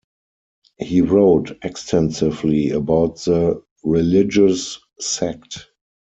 He wrote extensively about the religious sect.